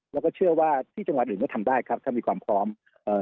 แล้วก็เชื่อว่าที่จังหวัดอื่นก็ทำได้ครับถ้ามีความพร้อมเอ่อ